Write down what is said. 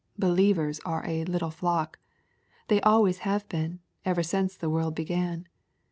Believers are a "little flock/' They always have been, ever since the world began.